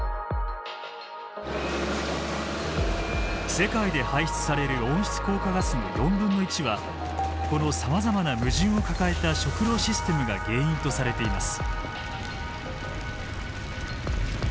世界で排出される温室効果ガスの４分の１はこのさまざまな矛盾を抱えた食料システムが原因とされています。